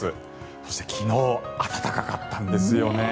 そして、昨日暖かかったんですよね。